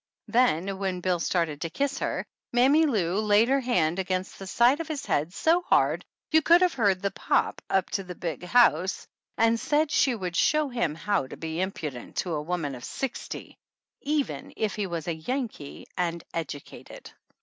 Then, when Bill started to kiss her, Mammy Lou laid her hand against the side of his head so hard you could have heard the pop up to the big house and said she would show him how to be impudent to a woman of sixty, even if he was a Yankee and educated.